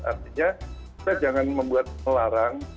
artinya kita jangan membuat melarang